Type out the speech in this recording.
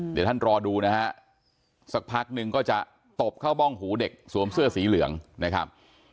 เดี๋ยวท่านรอดูนะฮะสักพักนึงก็จะตบเข้าบ้องหูเด็กสวมเสื้อสีเหลืองนะครับ